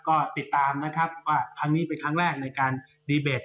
ก็ติดตามนะครับว่าครั้งนี้เป็นครั้งแรกในการดีเบต